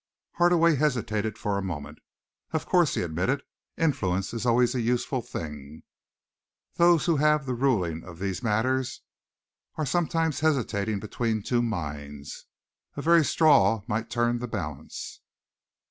Hardaway hesitated for a moment. "Of course," he admitted, "influence is always a useful thing. Those who have the ruling of these matters are sometimes hesitating between two minds. A very straw might turn the balance."